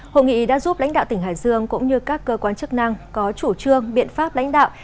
hội nghị đã giúp lãnh đạo tỉnh hải dương cũng như các cơ quan chức năng có chủ trương biện pháp lãnh đạo